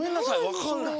わかんない。